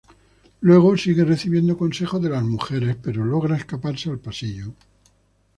Luego, sigue recibiendo consejos de las mujeres, pero logra escaparse al pasillo.